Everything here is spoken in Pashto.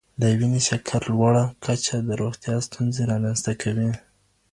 د وینې شکر لوړه کچه د روغتیا ستونزې رامنځته کوي.